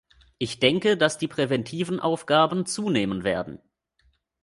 Ich denke, dass die präventiven Aufgaben zunehmen werden.